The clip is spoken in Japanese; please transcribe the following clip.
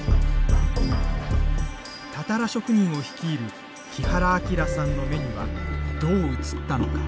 たたら職人を率いる木原明さんの目にはどう映ったのか。